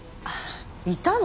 いたの？